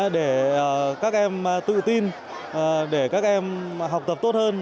để các em tự tin để các em học tập tốt hơn